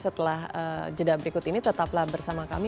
setelah jeda berikut ini tetaplah bersama kami